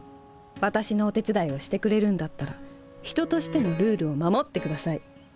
私のお手伝いをしてくれるんだったら人としてのルールを守ってください。